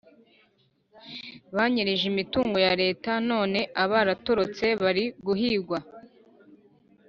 Banyereje imitungo ya leta none abaratorotse bari guhigwa